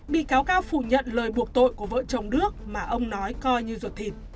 bị cáo cao phủ nhận lời buộc tội của vợ chồng đức mà ông nói coi như ruột thịt